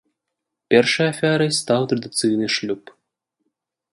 Першай ахвярай стаў традыцыйны шлюб.